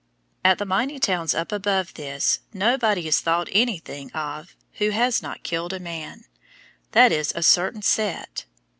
At the mining towns up above this nobody is thought anything of who has not killed a man i.e. in a certain set.